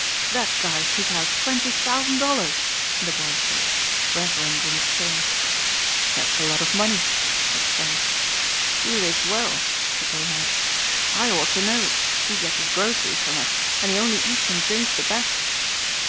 "That guy took out twenty thousand dollars," the boy said, reverence in his tone. "That's a lot of money," said Trent. "He lives well," said the lad. "I ought to know, he gets his groceries from us and he only eats and drinks the best."